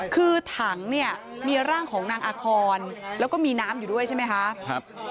คือถังเนี่ยมีร่างของนางอาคอนแล้วก็มีน้ำอยู่ด้วยใช่ไหมคะ